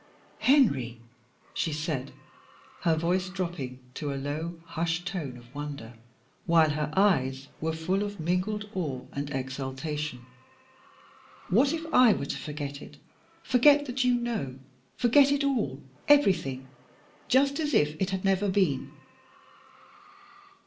"Henry," she said, her voice dropping to a low, hushed tone of wonder, while her eyes were full of mingled awe and exultation, "what if I were to forget it, forget that you know, forget it all, everything, just as if it had never been?"